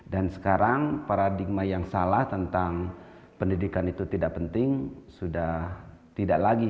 dan sekarang paradigma yang salah tentang pendidikan itu tidak penting sudah tidak lagi